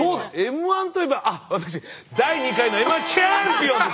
Ｍ−１といえばあっ私第２回のＭ−１チャンピオンです。